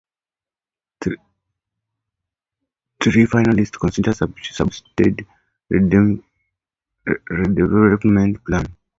Three finalist consortia submitted redevelopment plans.